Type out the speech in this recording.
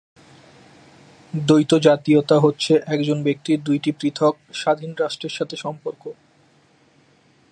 দ্বৈত জাতীয়তা হচ্ছে একজন ব্যক্তির দুইটি পৃথক স্বাধীন রাষ্ট্রের সাথে সম্পর্ক।